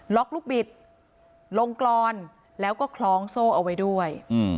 ลูกบิดลงกรอนแล้วก็คล้องโซ่เอาไว้ด้วย